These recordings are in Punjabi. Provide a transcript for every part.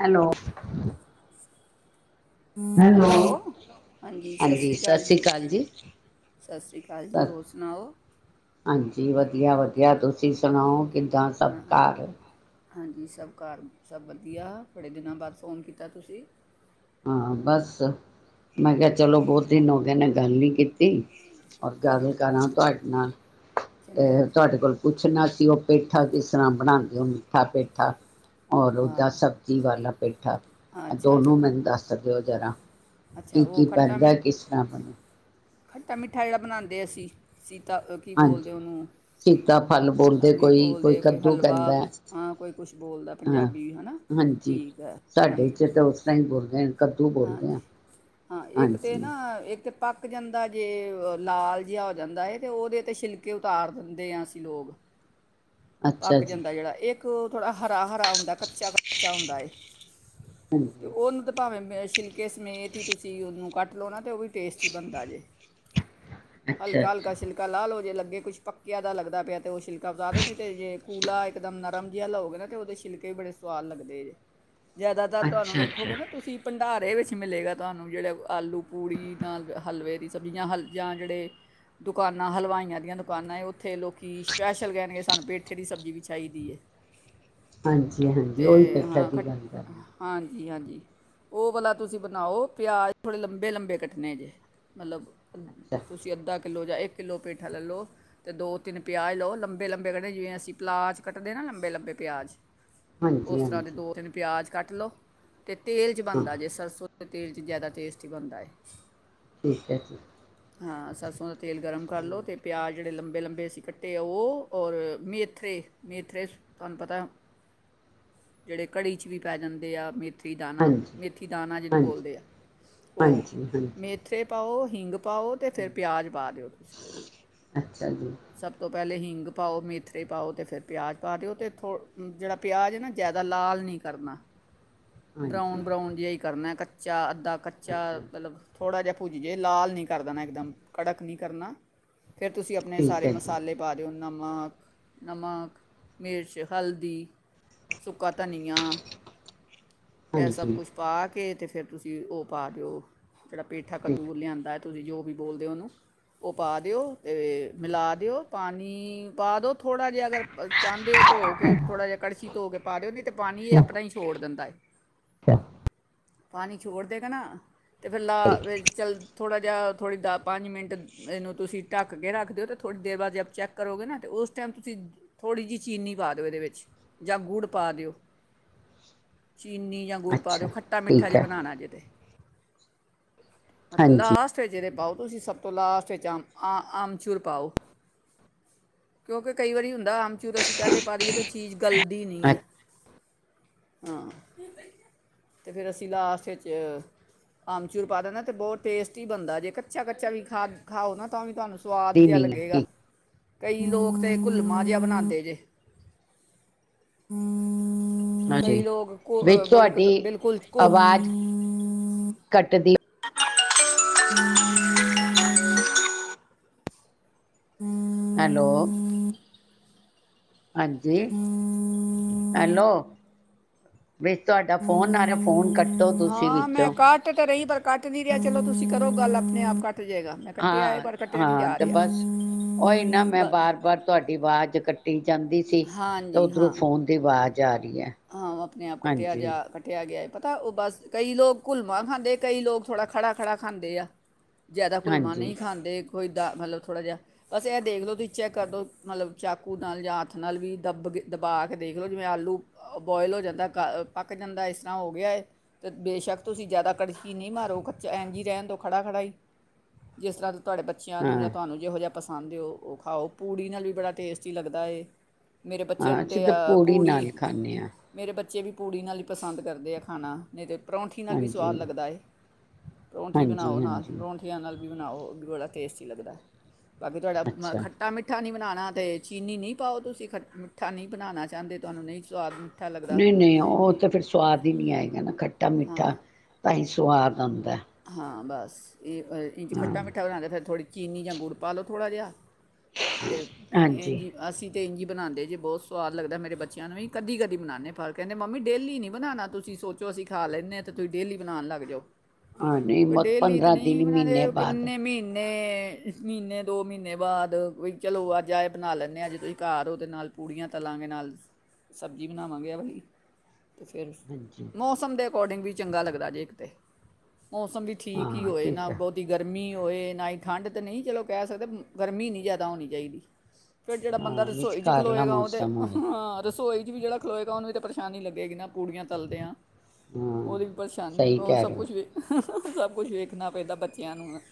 ਹੈਲੋ। ਹੈਲੋ, ਹਾਂਜੀ। ਸਤਿ ਸ੍ਰੀ ਅਕਾਲ ਜੀ। ਸਤਿ ਸ੍ਰੀ ਅਕਾਲ ਜੀ। ਹੋਰ ਸੁਣਾਓ? ਜੀ, ਵਧੀਆ, ਵਧੀਆ। ਤੁਸੀਂ ਸੁਣਾਓ? ਕਿਦਾਂ ਹਾਂ ਸਤਕਾਰ ਹਾਂਜੀ। ਸਭ ਘਰ ਸਭ ਵਧੀਆ। ਬੜੇ ਦਿਨਾਂ ਬਾਅਦ ਫੋਨ ਕੀਤਾ, ਤੁਸੀ। ਹਾਂ, ਬਸ ਮੈਂ ਕਿਹਾ ਚਲੋ, ਬਹੁਤ ਦਿਨ ਹੋਗੇ ਨੇ ਗੱਲ ਨੀ ਕੀਤੀ। ਔਰ ਗੱਲ ਕਰਾਂ ਤੁਹਾਡੇ ਨਾਲ, ਚੰਗੀ ਅਤੇ ਤੁਹਾਡੇ ਕੋਲ ਪੁੱਛਣਾ ਸੀ ਉਹ ਪੇਠਾ ਕਿਸ ਤਰ੍ਹਾਂ ਬਣਾਂਦੇ ਹੋਨ ਪੇਠਾ ਪੇਠਾ। ਔਰ ਹਾਂ ਉਹਦਾ ਸਬਜ਼ੀ ਵਾਲਾ। ਪੇਠਾ ਐ ਅੱਛਾ ਅੱਛਾ ਦੋਨੋਂ ਖੱ ਮੈਨ ਦੱਸ ਦਿਓ ਜ਼ਰਾ ਅੱਛਾ ਕੀ, ਉਹ ਕੀ ਪੈਂਦਾ, ਕਿਸ ਤਰ੍ਹਾਂ ਬਣੇ? ਖੱਟਾ-ਮਿੱਠਾ ਜਿਹੜਾ ਬਣਾਂਦੇ ਅਸੀਂ ਸੀ ਤਾਂ ਕੀ ਹਾਂਜੀ ਬੋਲਦੇ ਉਹਨੂੰ ਸੀਤਾ ਫਲ ਬੋਲਦੇ ਹਲੀ ਕੋਈ ਬੋਲਦੇ ਕੋਈ ਕੱਦੂ ਹਲਵਾ ਕਹਿੰਦਾ ਹਾਂ। ਕੋਈ ਕੁਛ ਬੋਲਦਾ ਹਾਂ ਪੰਜਾਬੀ ਹੈ ਨਾ ਹਾਂਜੀ ਠੀਕ ਹੈ। ਸਾਡੇ ਹਾਂਜੀ ਚ ਤੇ ਉਸ ਤਰਾ ਹੀ ਬੋਲਦੇ- [inaudible] ਬੋਲਦੇ ਹਾਂਜੀ, ਆ ਹਾਂ ਇੱਕ ਤਾਂ ਹਾਂਜੀ ਨਾ ਇੱਕ ਪੱਕ ਜਾਂਦਾ ਜੇ ਲਾਲ ਜਿਹਾ ਹੋ ਜਾਂਦਾ ਹੈ ਤਾਂ ਉਹਦੇ 'ਤੇ ਛਿਲਕੇ ਉਤਾਰ ਦਿੰਦੇ ਹਾਂ ਅਸੀਂ ਲੋਕ। ਅੱਛਾ ਪੱਕ ਜੀ ਜਾਂਦਾ ਜਿਹੜਾ ਇਹ। ਇੱਕ ਉਹ ਥੋੜ੍ਹਾ ਹਰਾ ਹਰਾ ਹੁੰਦਾ ਕੱਚਾ ਕੱਚਾ ਹੁੰਦਾ। ਤੇ ਹਾਂਜੀ ਉਹਨੂੰ ਤੇ ਭਾਵੇਂ ਮੈ ਛਿੱਲ ਸਮੇਤ ਹੀ ਤੁਸੀਂ ਉਹਨੂੰ ਕੱਟ ਲਾਉਣਾ ਤੇ ਉਹ ਵੀ ਟੇਸਟੀ ਬਣਦਾ ਜੇ ਅੱਛਾ ਹਲਕਾ ਅੱਛਾ ਹਲਕਾ ਛਿਲਕਾ ਲਾਹ ਲਓ ਕੁੱਛ ਪੱਕਿਆਂ ਦਾ ਲੱਗਦਾ ਪਿਆ ਤੇ ਉਹ ਸ਼ਿਲਕਾ [unintelligible] ਤੇ ਜੇ ਕੂਲਾ ਇਕ ਦਮ ਨਰਮ ਜਿਹਾ ਲਓਗੇ ਨਾ ਤੇ ਉਹਦੇ ਛਿਲਕੇ ਵੀ ਬੜੇ ਸਵਾਦ ਲੱਗਦੇ ਜੇ। ਜਿਆਦਾਤਰ ਤੁਹਾਨੂੰ ਅੱਛਾ ਅੱਛਾ ਵੇਖੋਗੇ ਨਾ ਤੁਸੀਂ ਭੰਡਾਰ ਇਹ ਵਿੱਚ ਮਿਲੇਗਾ ਤੁਹਾਨੂੰ ਜਿਹੜੇ ਆਲੂ ਪੂੜੀ ਤਾਂ ਹਲਵੇ ਦੀ ਸਬਜ਼ੀਆਂ ਹਲ ਜਾਂ ਜਿਹੜੇ ਦੁਕਾਨਾਂ ਹਲਵਾਈਆਂ ਦੀਆਂ ਦੁਕਾਨਾਂ ਉੱਥੇ ਲੋਕੀ ਸਪੈਸ਼ਲ ਕਹਿਣਗੇ। ਸਾਨੂੰ ਪੇਠੇ ਦੀ ਸਬਜ਼ੀ ਵੀ ਚਾਹੀਦੀ ਹੈ। ਹਾਂਜੀ ਹਾਂਜੀ ਓਹੀ ਬੈਠਾ ਦੀ ਗੱਲ ਕਰਨ ਜੀ ਹਾਂਜੀ ਉਹ ਵਾਲਾ ਤੁਸੀਂ ਬਣਾਓ ਪਿਆਜ਼ ਥੋੜ੍ਹੇ ਲੰਬੇ ਲੰਬੇ ਕੱਟਣੇ ਜੇ ਮਤਲਬ ਅੱਛਾ ਤੁਸੀਂ ਅੱਧਾ ਇੱਕ ਕਿੱਲੋ ਪੇਠਾ ਲਏ ਲਓ ਤੇ ਦੋ ਤਿੰਨ ਪਿਆਜ ਲਓ ਲੰਬੇ ਜਿਵੇਂ ਅਸੀਂ ਪਲਾਜ ਕੱਟ ਦੇ ਆ ਨਾ ਲੰਬੇ ਲੰਬੇ ਪਿਆਜ ਹਾਂਜੀ ਉਸ ਤਰ੍ਹਾਂ ਦੇ ਹਾਂਜੀ ਦੋ ਤਿੰਨ ਪਿਆਜ ਕੱਟ ਲੋ ਅਤੇ ਤੇਲ 'ਚ ਹਾਂ ਬਣਦਾ ਜੇ ਸਰਸੋਂ ਤੇਲ 'ਚ ਜ਼ਿਆਦਾ ਟੇਸਟ ਹੀ ਬਣਦਾ ਏ। ਠੀਕ ਹੈ ਹਾਂ ਸਰਸੋ ਦਾ ਤੇਲ ਗਰਮ ਕਰ ਲੋ ਤੇ ਪਿਆਜ ਜਿਹੜੇ ਲੰਬੇ ਲੰਬੇ ਅਸੀਂ ਕੱਟੇ ਆ ਉਹ ਔਰ ਮੇਥਰੇ ਮੇਥਰੇ ਤੁਹਾਨੂੰ ਪਤਾ ਜਿਹੜੇ ਕੜੀ 'ਚ ਵੀ ਪੈ ਜਾਂਦੇ ਆ ਮੇ ਮੇਥੀ ਦਾਨਾ ਹਾਂਜੀ ਮੇਥੀ ਦਾਣਾ ਜਿਹਨੂੰ ਹਾਂਜੀ ਬੋਲਦੇ ਆ ਉਹ ਹਾਂਜੀ ਹਾਂਜੀ ਮੇਥੇ ਪਾਓ ਹਿੰਗ। ਪਾਓ ਤੇ ਫਿਰ ਪਿਆਜ਼ ਪਾ ਦਿਓ ਤੁਸੀਂ ਅੱਛਾ ਜੀ ਸਭ ਤੋਂ ਪਹਿਲੇ ਹੀਂਗ ਪਾਓ ਮੇਥਰੇ ਪਾਓ ਤੇ ਫਿਰ ਪਿਆਜ ਪਾ ਦਿਓ ਅਤੇ ਥੋ ਜਿਹੜਾ ਪਿਆਜ਼ ਹੈ ਨਾ ਜ਼ਿਆਦਾ ਲਾਲ ਨਹੀਂ ਕਰਨਾ ਹਾਂਜੀ ਬਰਾਊਨ ਬਰਾਊਨ ਜਿਹਾ ਈ ਕਰਨਾ ਕ ੱਚਾ। [unintelligible] ਦਾ ਕੱਚਾ ਅੱਛਾ ਤਲਬ ਥੋੜ੍ਹਾ ਜਿਹਾ ਭੁੱਜ ਜੇ ਲਾਲ ਨਹੀਂ ਕਰ ਦੇਣਾ ਇੱਕਦਮ ਕੜਕ ਨਹੀਂ ਕਰਨਾ ਫੇਰ ਤੁਸੀਂ ਆਪਣੇ ਠੀਕ ਸਾਰੇ ਹੈ ਜੀ ਮਸਾਲੇ ਪਾ ਦਿਓ [inaudible] ਨਮਕ ਨਮਕ ਮਿਰਚ ਹਲਦੀ ਸੂ ਕਾ ਧਨੀ ਹਾਂਜੀ ਫਰ ਤੁਸੀਂ ਜਿਹੜਾ ਪੇਠਾ ਠੀਕ, ਕੱਦੂ ਲਿਆਂਦਾ। ਤੁਸੀਂ ਜੋ ਵੀ ਬੋਲਦੇ ਹੋ ਉਹਨੂੰ ਉਹ ਪਾ ਦਿਓ ਅਤੇ ਮਿਲਾ ਦਿਓ ਪਾਣੀ ਪਾ ਦੋ ਥੋੜਾ ਜਿਹਾ [unintelligible] ਅਗਰ ਚਾਹੁੰ ਛਾ ਪਾਣੀ ਛੋੜਦੇ ਕੇ ਨਾ [unintelligible] ਅਤੇ ਹਿਲਾ ਅੱਛਾ ਵਿੱਚ [unintelligible] ਚੱਲ ਥੋੜ੍ਹਾ ਜਿਹਾ ਥੋੜ੍ਹੀ ਦਾ ਪੰਜ ਮਿੰਟ ਇਹਨੂੰ ਤੁਸੀਂ ਢੱਕ ਕੇ ਰੱਖ ਦਿਓ ਅਤੇ ਥੋੜ੍ਹੀ ਦੇਰ ਬਾਅਦ ਜਬ ਚੈੱਕ ਕਰੋਗੇ ਨ ਚੀਨੀ ਜਾਂ ਗੁੜ ਪਾ ਅੱਛਾ ਦਿਓ ਖੱਟਾ ਮਿੱਠਾ ਠੀਕ ਜਿਹਾ ਹੈ ਬਣਾਉਣਾ ਜੇ ਤੇ ਹਾਂਜੀ ਹਾਂਜੀ ਲਾਸਟ ਵਿੱਚ ਜਿਹੜੇ [inaudible] ਪਾਓਗੇ ਕਿਉਂਕਿ ਕਈ ਵਾਰੀ ਹੁੰਦਾ ਆਮਚੂਰ ਅਸੀਂ ਪਹਿਲੇ ਪਾ ਦੇਈਏ ਤੇ ਉਹ ਚੀਜ਼ [inaudible] ਗਲਦੀ ਨਹੀਂ ਹੈ ਅੱਛਾ ਹਾਂ ਤੇ ਫੇਿਰ ਅਸੀਂ ਲਾਸਟ ਵਿੱਚ ਆਮਚੂਰ ਪਾ ਦਿੰਨਾ ਤੇ ਬਹੁਤ ਟੇਸਟੀ ਬਣਦਾ ਜੇ ਕੱਚਾ ਕੱਚਾ ਵੀ ਖਾ ਖਾਓ ਨਾ ਤਾਂ ਵੀ ਤੁਹਾਨੂੰ ਸੁਆਦ ਨਹੀਂ ਜਿਹਾ ਨਹੀਂ ਲੱਗੇਗਾ ਠੀਕ ਕਈ ਲੋਕ ਹ [unintelligible] ਹਾਂਜੀ ਕਈ ਲੋਕ ਵਿੱਚ ਬਿਲਕ ਤੁਹਾਡੀ ਬਿਲਕੁਲ [unintelligible] ਆਵਾਜ਼ ਕੱਟਦੀ ਹੈਲੋ ਹਾਂਜੀ ਹੈਲੋ ਵਿੱਚ ਤੁਹਾਡਾ ਫੋਨ ਆਾਰਾ ਫੋਨ ਕੱਟੋ ਤੁਸੀਂ ਹਾਂ ਮੈਂ ਵਿੱਚੋਂ ਕੱਟ ਤੇ ਰਹੀ ਪਰ ਕੱਟ ਨਹੀਂ ਰਿਹਾ ਚਲੋ ਤੁਸੀਂ ਕਰੋ ਗੱਲ ਆਪਣੇ ਆਪ ਕੱਟ ਜਾਏਗਾ ਮੈਂ ਕੱਟਿਆ ਹੈ ਹਾਂ ਪਰ ਕੱਟਿਆ ਨਹੀਂ ਹਾਂ ਜਾ ਤੇ ਰਿਹਾ ਬਸ ਉਹੀ ਨਾ ਮੈਂ ਬ- ਬਾਰ ਬਾਰ ਤੁਹਾਡੀ ਆਵਾਜ਼ ਕੱਟੀ ਜਾਂਦੀ ਸੀ ਤੇ ਹਾਂਜੀ ਉੱਧਰੋਂ ਹਾਂ ਫੋਨ ਦੀ ਆਵਾਜ਼ ਚਾਰ [unintelligible] ਹਾਂ ਆਪਣੇ ਆਪ ਕੱਟਿਆ ਜਾ ਕੱਟਿਆ ਗਿਆ ਪਤਾ ਉਹ ਬਸ ਕਈ ਲੋਕ ਘੁਲਵਾ ਖਾਂਦੇ ਕਈ ਲੋਕ ਥੋੜ੍ਹਾ ਖੜਾ ਖੜਾ ਖਾਂਦੇ ਆ ਜ਼ਿਆਦਾ ਘੁੱਲਮਾ ਹਾਂਜੀ ਨਹੀਂ ਖਾਂਦੇ ਕੋਈ ਦਾ ਮਤਲਬ ਥੋੜ੍ਹਾ ਜਿਹਾ ਬਸ ਇਹ ਦੇਖ ਲਉ ਤੁਸੀਂ ਚੈੱਕ ਕਰ ਦਿਉ ਮਤਲਬ ਚਾਕੂ ਨਾਲ ਜਾਂ ਹੱਥ ਨਾਲ ਵੀ ਦੱਬ ਦਬਾ ਕੇ ਦੇਖ ਲਓ ਜਿਵੇਂ ਆਲੂ ਬੋਇਲ ਹੋ ਜਾਂਦਾ ਕ ਪੱਕ ਜਾਂਦਾ ਇਸ ਤਰ੍ਹਾਂ ਹੋ ਗਿਆ ਹੈ ਅਤੇ ਬੇਸ਼ੱਕ ਤੁਸੀਂ ਜ਼ਿਆਦਾ ਕੜਸ਼ੀ ਨਹੀਂ ਮਾਰੋ ਕੱਚਾ ਐਂਨ ਜ ਹੀ ਰਹਿਣ ਦਿਉ ਖੜ੍ਹਾ ਖੜਾ ਹੀ ਜਿਸ ਤਰ੍ਹਾਂ ਤੁਹਾਡੇ ਬੱਚਿਆਂ ਨੂੰ ਹਾਂ ਜਾਂ ਤੁਹਾਨੂੰ ਜਿਹੋ ਜਿਹਾ ਪਸੰਦਓ ਉਹ ਖਾਓ ਪੂੜੀ ਨਾਲ ਵੀ ਬੜਾ ਟੇਸਟੀ ਲੱਗਦਾ ਹੈ ਹਾਂ ਅਸੀਂ ਤਾਂ ਪੌੜੀ ਨਾਲ ਖਾਂਦੇ ਹ ਮੇਰੇ ਬੱਚੇ ਵੀ ਪੂੜੀ ਨਾਲ ਹੀ ਪਸੰਦ ਕਰਦੇ ਆ ਖਾਣਾ ਨਹੀਂ ਤਾਂ ਪਰੌਂਠੀ ਨਾਲ ਵੀ ਸਵਾਦ ਹਾਂਜੀ ਲੱਗਦਾ ਪਰੌਂਠੀ ਬਣਾਓ ਹਾਂਜੀ ਨਾਲ ਹਾਂਜੀ ਪਰੌਂਠੀਆਂ ਨਾਲ ਵੀ ਬਣਾਓ ਉਹੀ ਬੜਾ ਟੇਸਟੀ ਲੱਦਾ ਬਾਕੀ ਤੁਹਾਡਾ ਮ ਅੱਛਾ ਖੱਟਾ ਮਿੱਠਾ ਨਹੀਂ ਬਣਾ ਤੇ ਚੀਨੀ ਨਹੀਂ ਪਾਓ ਤੁਸੀਂ ਖ ਮਿੱਠਾ ਨਹੀਂ ਬਣਾਉਣਾ ਚਾਹੁੰਦੇ ਤੁਹਾਨੂੰ ਨਹੀਂ ਸਵਾਦ ਅਨ ਨਹੀਂ ਨਹੀਂ ਉਹ ਤਾਂ ਫਿਰ ਸਵਾਦ ਹੀ ਨਹੀਂ ਆਏਗਾ ਨਾ ਖੱਟਾ ਮਿੱਠਾ ਹਾਂ ਤਾਂ ਹੀ ਸਵਾਦ ਆਉਂਦਾ ਹਾਂ ਬਸ ਇਹ ਇੰਜ਼ ਹਾਂ ਖਟਾ ਮਿੱਠਾ ਬਣਾ ਕੇਥੋੜ੍ਹੀ ਚੀਨੀ ਜਾਂ ਗੁੜ ਪਾ ਲਓ ਥੋੜ੍ਹਾ ਜਿਹਾ ਤੇ ਹਾਂਜੀ ਜੀ ਅਸੀਂ ਅਤੇ ਇੰਝੀ ਬਣਾਉਂਦੇ ਜੇ ਬਹੁਤ ਸਵਾਦ ਲੱਗਦਾ ਮੇਰੇ ਬੱਚਿਆਂ ਨੂੰ ਵੀ ਕਦੀ ਕਦੀ ਬਣਾਉਦੇ ਪਰ ਕਹਿੰਦੇ ਮੰਮੀ ਡੇਲੀ ਨਹੀਂ ਬਣਾਉਣਾ ਤੁਸੀਂ ਸੋਚੋ ਅਸੀਂ ਖਾ ਲੈਂਦੇਾਂ ਤਾਂ ਤੁਸੀਂ ਡੇਲੀ ਬਣਾਉਣ ਲੱਗ ਜਾਓ ਹਾਂ ਨਹੀਂ ਮ ਡੇਲੀ ਤਾਂ ਪੰਦਰਾਂ ਨਹੀਂ ਦਿਨ ਬਣਾਦੇ ਮਹੀਨੇ ਬਾਅਦ ਕਿੰਨੇ ਮਹੀਨੇ ਮਹੀਨੇ ਦੋ ਮਹੀਨੇ ਬਾਅਦ ਚਲੋ ਅੱਜ ਆ ਬਣਾ ਲੈਂਦੇ ਆ ਅੱਜ ਤੁਸੀਂ ਘਰ ਹੋ ਦੇ ਨਾਲ ਪੂੜੀਆਂ ਤਲਾਂਗੇ ਨਾਲ ਸਬਜ਼ੀ ਬਣਾਵਾਂਗੇ ਬਾਈ ਤੇ ਫਿਰ ਹਾਂਜੀ ਮੌਸਮ ਦੇ ਅਕੋਡਿੰਗ ਵੀ ਚੰਗਾ ਲੱਗਦਾ ਜੇ ਕਿਤੇ ਮੌਸਮ ਵੀ ਠੀਕ ਹੀ ਹਾਂ ਹੋਏ ਨਾ ਠੀਕ ਹੈ ਬਹੁਤ ਹੀ ਗਰਮੀ ਹੋ ਨਾ ਹੀ ਠੰਢ ਤਾਂ ਨਹੀਂ ਚਲੋ ਕਹਿ ਸਕਦੇ ਗਰਮੀ ਨਹੀਂ ਜਾਦਾ ਹੋਣੀ ਚਾਹੀਦੀ ਫਿਰ ਜਿਹੜਾ ਬੰਦਾ ਹਾਂ ਰਸੋਈ 'ਚ ਵਿਚਕਾਰਲਾ ਖਲੋਏਗਾ ਉਹ ਮੌਸਮ ਹੋਏ ਤਾਂ ਰਸੋਈ ' ਵੀ ਜਿਹੜਾ ਖਲੋਏਗਾ ਉਹਨੂੰ ਤਾਂ ਪਰੇਸ਼ਾਨੀ ਲੱਗੇਗੀ ਨਾ ਪੂੜੀਆਂ ਤਲਦਿਆ ਹਾਂ ਹਾਂ ਉਹਦੀ ਪਰੇਸ਼ਾਨੀ ਸਹੀ ਹੋਰ ਕਹਿ ਸਭ ਰਹੇ ਹੋ ਕੁਛ ਵੀ ਸਭ ਕੁਛ ਵੇਖਣਾ ਪੈਂਦਾ ਬੱਚਾ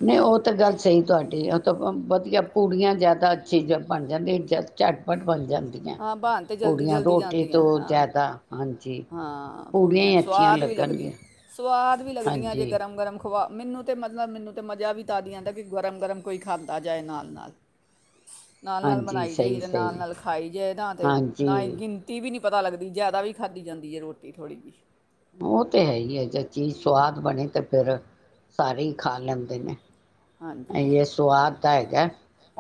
ਨਹੀਂ ਉਹ ਤਾਂ ਗੱਲ ਸਹੀ ਤੁਹਾਡੀ ਉਹ ਤਾਂ ਵਧੀਆ ਪੂੜੀਆਂ ਜ ਅੱਛੀ ਬਣ ਜਾਂਦੀ ਝੱਟਪਟ ਹਾਂ ਬਣ ਤਾਂ ਜਲਦੀ ਜਲਦੀ ਰੋਟੀ ਜਾਂਦੀਆਂ ਤੋਂ ਹਾਂ ਜ਼ਿਆਦਾ ਹਾਂਜੀ ਹਾਂ ਪੂੜੀਆਂ ਹੀ ਅੱਛੀਆਂ ਸਵਾਦ ਵੀ ਲੱਗਦੀ ਲੱਗਣਗੀਆਂ ਸਵਾਦ ਵੀ ਲੱਗਦੀਆਂ ਜੇ ਹਾਂਜੀ ਗਰਮ ਗਰਮ ਖਵਾ ਮੈਨੂੰ ਤਾਂ ਮਤਲਬ ਮੈਨੂੰ ਤਾਂ ਮਜ਼ਾ ਵੀ ਤਾਂਾਦੀ ਜਾਂਦਾ ਕਿ ਗਰਮ ਗਰਮ ਕੋਈ ਖਾਂਦਾ ਜਾਏ ਨਾਲ ਨਾਲ ਨਾਲ ਨਾਲ ਹਾਂਜੀ ਬਣਾਈ ਜਾਈ ਸਹੀ ਤੇ ਨਾਲ ਸਹੀ ਨਾਲ ਖਾਈ ਜਾੇਏਦਾ ਤੇ ਨਾ ਹੀ ਹਾਂਜੀ ਗਿਣਤੀ ਵੀ ਨੀ ਪਤਾ ਲੱਗਦੀ ਜਿਆਦਾ ਵੀ ਖਾਧੀ ਜਾਂਦੀ ਹੈ ਰੋਟੀ ਥੋੜ੍ਹੀ ਜਿਹੀ ਉਹ ਤੇ ਹੈ ਹੀ ਹੈ ਜੇ ਚੀਜ਼ ਸਵਾਦ ਬਣੀ ਤੇ ਫਿਰ ਸਾਰੇ ਹੀ ਖਾ ਲੈਂਦੇ ਨੇ ਹਾਂਜੀ ਇਹ ਸਵਾਦ ਤਾਂ ਹੈਗਾ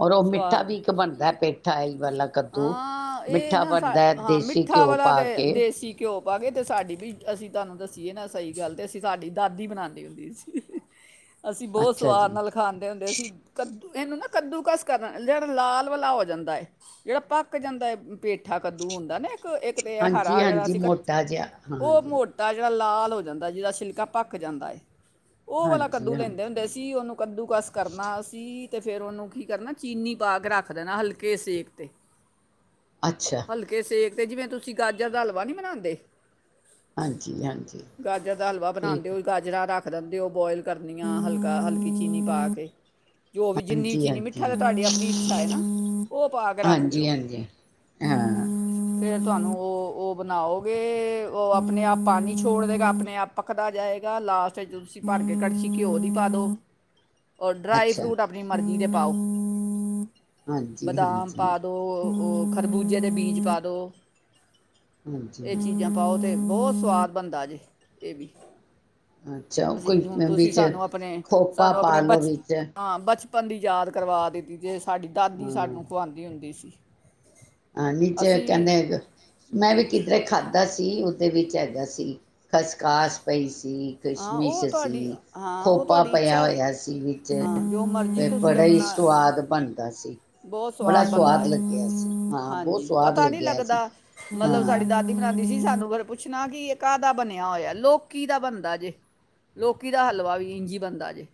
ਔਰ ਉਹ ਮਿੱਠਾ ਸਵਾਦ ਵੀ ਇੱਕ ਬਣਦਾ ਪੇਠਾ ਇਹ ਵਾਲਾ ਕੱਦੂ ਹਾਂ ਇਹ ਮਿੱਠਾ ਨਾ ਸਾ- ਬਣਦਾ ਦੇਸੀ ਘਿਓ ਪਾ ਕੇ ਪਾਗੇ ਤੇ ਸਾਡੀ ਵੀ ਅਸੀਂ ਤੁਹਾਨੂੰ ਦੱਸੀਏ ਨਾ ਸਹੀ ਗੱਲ ਤੇ ਅਸੀਂ ਸਾਡੀ ਦਾਦੀ ਬਣਾਉਂਦੇ ਹੁੰਦੀ ਸੀ ਅਸੀਂ ਬਹੁਤ ਅੱਛਾ ਸਵਾਦ ਜੀ ਨਾਲ ਖਾਂਦੇ ਹੁੰਦੇ ਅਸੀਂ ਕ ੂੰ ਇਹਨੂੰ ਨਾ ਕੱਦੂ ਕਸ ਜਿਹੜਾ ਲਾਲ ਵਾਲਲਾ ਹੋ ਜਾਂਦਾ ਹੈਏ ਜਿਹੜਾ ਪੱਕ ਜਾਂਦਾ ਪੇਠਾ ਕੱਦੂ ਹੁੰਦਾ ਨਾ ਇੱਕ ਇੱਕ ਤੇ ਇਹ ਹਾਂਜੀ ਹਰਾ ਜਿਹੜਾ ਹਾਂਜੀ ਸੀਗਾ ਮੋਟਾ ਜਿਹਾ ਉਹ ਹਾਂਜੀ ਮੋਟਾ ਜਿਹੜਾ ਲਾਲ ਹੋ ਜਾਂਦਾ ਹੈ ਜਿਹਦਾ ਛਿਲਕਾ ਭੱਕ ਜਾਂਦਾ ਹੈਏ ਉਹ ਵਾਲਾ ਹਾਂਜੀ ਕੱਦੂ ਲੈਂਦੇ ਹੁੰਦੇ ਹਾਂਜੀ ਸੀ ਉਹਨੂੰ ਕੱਦੂ ਕਸ ਕਰਨਾ ਸੀ ਤੇ ਫੇਿਰ ਉਹਨੂੰ ਕੀ ਕਰਨਾ ਚੀਨੀ ਬਾਗ ਰੱਖ ਦੇ ਨਾ ਹਲਕੇ ਸੇਕ ਤੇ ਅੱਛਾ ਹਲਕੇ ਸ ਇੱਕ ਤੇ ਜਿਵੇਂ ਤੁਸੀਂ ਗਾਜਰ ਦਾ ਹਲਵਾ ਨੀ ਬਣਾਉਂਦੇ ਹਾਂਜੀ ਹਾਂਜੀ ਗਾਜਰ ਦਾ ਹਲਵਾ ਠੀਕ ਬਣਾਉਂਦੇ ਹੋ ਗਾਜਰਾਂ ਰੱਖ ਰਨ ਦਿਓ ਬੋਇਲ ਕਰਨੀ ਆ ਹਲਕਾ ਹਲਕੀ ਚੀਨੀ ਪਾ ਕੇ ਜੋ ਵੀ ਜਿੰਨੀ ਹਾਂਜੀ ਚੀਨੀ ਮਿੱਟੀ ਹਾਂਜੀ ਠਾ ਤੇ ਤੁਹਾਡੀ ਆਪਣੀ ਇੱਛਾ ਹੈ ਨਾ ਉਹ ਪਾ ਕੇ ਰੱਖ ਦਿਓ ਹਾਂਜੀ ਹਾਂਜੀ ਹਾਂ ਫ ਤੁਹਾਨੂੰ ਉਹ ਉਹ ਬਣਾਓਗੇ ਉਹ ਆਪਣੇ ਆਪ ਪਾਣੀ ਛੋੜ ਦੇਗਾ ਆਪਣੇ ਆਪ ਪੱਕਦਾ ਜਾਏਗਾ ਲਾਸਟ ਚ ਤੁਸੀਂ ਭਰ ਕੇ ਕੜਸੀ ਘਿਓ ਦੀ ਪਾ ਦੋ ਰ ਡਰਾਈ ਅੱਛਾ ਫਰੂਟ ਆਪਣੀ ਮਰਜ਼ੀ ਤੇ ਪਾਓ ਹਮ ਹਾਂਜੀ ਬਦਾਮ ਹਾਂਜੀ ਪਾ ਦੋ ਖਰਬੂਜੇ ਦੇ ਬੀਜ ਪਾ ਦੋ ਹਾਂਜੀ ਇਹ ਚੀਜ਼ਾਂ ਪਾਓ ਤੇ ਬਹੁਤ ਸਵਾਦ ਬਣਦਾ ਜੇ ਇਹ ਵੀ ਅੱਛਾ ਕੋਈ ਅਸੀਂ ਹੁਣ ਤੁਸੀਂ ਵਿੱਚ ਸਾਨੂੰ ਆਪਣੇ ਖੋਪਾ ਪਾਾਲੋ ਵਿੱਚ ਆਪ ਦੀ ਯਾਦ ਕਰਵਾ ਦਿੱਤੀ ਜੇ ਸਾਡੀ ਦਾਦੀ ਹਾਂ ਸਾਨੂੰ ਖਵਾਉਂਦੀ ਹੁੰਦੀ ਸੀ ਹਾਂ ਨੀਚੇ ਅਸੀਂ ਕਹਿੰਦੇ ਮੈਂ ਵੀ ਕਿਧਰੇ ਖਾਧ [unintelligible] ਸੀ ਉਹਦੇ ਵਿੱਚ ਹੈੱਗਾ ਸੀ ਖਸਖਾਸ ਪਈ ਸੀ ਹਾਂ ਕਿਸ਼ਮਿਸ਼ ਉਹ ਤੁਹਾਡੀ ਸੀ ਹਾਂ ਉਹ ਖੋਪਾ ਪਾਇਆ ਹੋਇਆ ਸੀ ਵਿੱਚ ਮਰਜੀ ਤੇ ਤੁਸੀਂ ਬੜਾ ਹੀ ਆਪਣਾ ਸਵਾਦ ਬਣਦਾ ਸੀ ਬਹੁਤ ਬੜਾ ਸਵਾਦ ਬਣਦਾ ਲੱਗਿਆ ਸੀ ਹਾਂ ਬਹੁਤ ਹਾਂਜੀ ਸਵਾਦ ਪਤਾ ਨੀ ਲੱਗਿਆ ਸੀ ਲੱਗਦਾ ਮਤਲਬ ਹਾਂ ਸਾਡੀ ਦਾਦੀ ਬਣਾਉਦੀ ਸੀ ਸਾਨੂੰ ਫਿਰ ਪੁੱਛਣਾ ਕਿ ਕਾਹਦਾ ਬਣਿਆ ਹੋਇਆ ਲੋਕੀ ਦਾ ਬਣਦਾ ਲੋਕੀ ਦਾ ਹਲਵਾ ਵੀ ਇੰਝੀ ਬਣਦਾ ਜੇ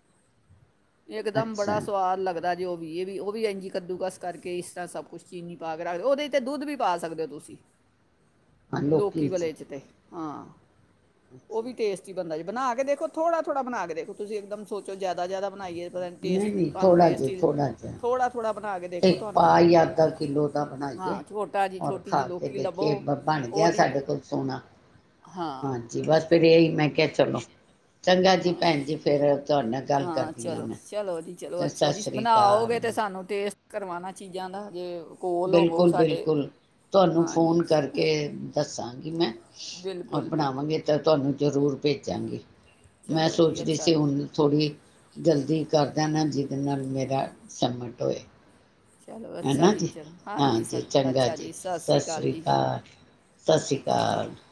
ਇਕ ਦਮ ਅੱਛਾ ਬੜਾ ਸਵਾਦ ਲੱਗਦਾ ਦਾ ਜੇ ਵੀ ਇਹ ਵੀ ਉਹ ਵੀ ਇੰਝ ਕੱਦੂ ਕਸ ਕਰਕੇ ਇਸ ਤਰ੍ਹਾਂ ਸਭ ਕੁਛ ਚੀਨੀ ਪਾ ਕੇ ਰੱਖਦੇ ਉਹਦੇ ਵਿੱਚ ਦੁੱਧ ਵੀ ਪਾ ਸਕਦੇ ਹੋ ਤੁਸੀਂ ਲੋਕੀ ਵਾਲਲੇ ਚ ਤੇ [unintelligible] ਹਾਂ। ਉਹ ਅੱਛਾ। ਵੀ [unintelligible] ਟੇਸਟੀ ਬਣਾ ਕੇ ਦੇਖੋ ਥੋੜਾ ਥੋੜਾ ਬਣਾ ਕੇ ਦੇਖੋ ਤੁਸੀਂ ਇੱਕ ਦਮ ਸੋਚੋ ਜ਼ਿਆਦਾ ਜ਼ਿਆਦਾ ਬਣਾਈ ਪਤਾ ਨਹੀਂ ਟੇਸਟ ਨਹੀਂ ਤੁਹਾਨੂੰ ਥੋੜ੍ਹਾ ਟੇਸਟ ਜਿਹਾ ਹੀ ਥੋੜ੍ਹਾ ਜਿਹਾ ਥੋੜ੍ਹਾ ਥੋੜ੍ਹਾ ਇੱਕ ਪਾ ਯਾ ਅੱਧਾ ਕਿੱਲੋ ਦਾ ਬਣਾਈਏ ਹਾਂ ਛੋਟਾ ਜੀ ਔਰ ਛੋਟੀ ਜੀ ਖਾ ਕੇ ਲੋਕੀ ਲਵੋ ਦੇਖੀਏ ਬਣ ਗਿਆ ਉਹਦੀ ਬ- ਸਾਡੇ ਕੋਲ ਸੋਹਣਾ ਹਾਂ ਹਾਂਜੀ ਬਸ ਫਿਰ ਇਹੀ ਮੈਂ ਕਿਹਾ ਚਲੋ। ਚੰਗਾ ਜੀ ਹਾਂ ਭੈਣ ਜੀ ਫੇਿਰ ਤੁਹਾਡੇ ਨਾਲ ਗੱਲ ਕਰਦੀ ਹਾਂ ਚਲੋ ਮੈਂ ਚਲੋ ਜੀ ਚਲੋ ਅੱਛਾ ਸਤਿ ਜੀ ਸ੍ਰੀ ਅਕਾਲ। ਬਣਾਓਗੇ ਤੇ ਸਾਨੂੰ ਟੇਸਟ ਕਰਵਾਉਣਾ ਚੀਜ਼ਾਂ ਦਾ ਜੇ ਕੋਲ ਹੋਵੋ ਬਿਲਕੁਲ ਸਾਡੇ ਬਿਲਕੁਲ ਤੁਹਾਨੂੰ ਹਾਂਜੀ ਫੋਨ ਕਰਕੇ ਦੱਸਾਂਗੀ ਮੈਂ ਬਿਲਕੁਲ ਬਿਲਕੁਲ ਬਣਾਵਾਂਗੇ ਤਾਂ ਤੁਹਾਨੂੰ ਜ਼ਰੂਰ ਭੇਜਾਂਗੀ। ਮੈਂ ਚਲੋ ਜੀ ਸੋਚਦੀ ਅੱਛਾ ਸੀ ਹੁਣ ਥੋੜ੍ਹੀ ਜਲਦੀ ਕਰ ਦੇਨਾ ਜਿਹਦੇ ਨਾਲ ਮੇਰਾ ਸੱਮਿਟ ਹੋਏ। [unintelligible] ਚਲੋ ਅੱਛਾ ਜੀ ਚਲੋ ਹਾਂਜੀ ਸ ਅੱਛਾ ਜੀ ਸਤਿ ਸ਼੍ਰੀ ਅਕਾਲ ਜੀ। ਸਤਿ ਸ਼੍ਰੀ [unintelligible]